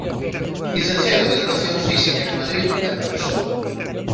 Licenciado en Educación Física en Madrid e profesor.